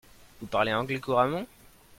Vous parlez anglais couramment.